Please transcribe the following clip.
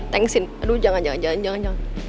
thanksin aduh jangan jangan